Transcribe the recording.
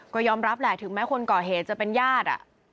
ก็ยอมรับแหละถึงแม้คนก่อเหตุจะเป็นญาติ